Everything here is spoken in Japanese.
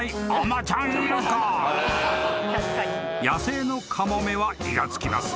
［野生のカモメはいらつきます］